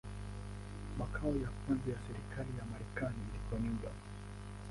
Makao ya kwanza ya serikali ya Marekani ilikuwa New York.